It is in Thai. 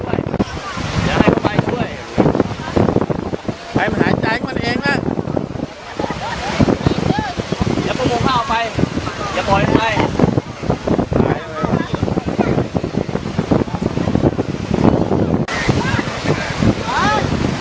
หลังนั้นเดี๋ยวมันตาย